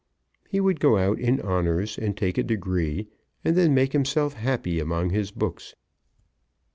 He would go out in honours, and take a degree, and then make himself happy among his books.